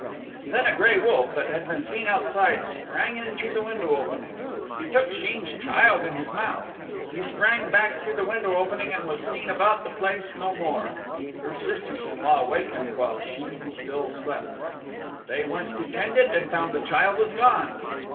Then a gray wolf that had been seen outside sprang in through the window opening. He took Sheen's child in his mouth. He sprang back through the window opening and was seen about the place no more. Her sisters in law wakened while Sheen still slept. They went to tend it and found the child was gone.